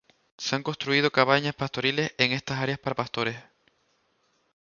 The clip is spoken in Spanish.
Se han construido cabañas pastoriles en estas áreas para pastores.